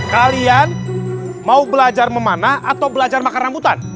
kalian mau belajar memanah atau belajar makan rambutan